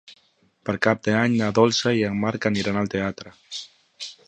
Per Cap d'Any na Dolça i en Marc aniran al teatre.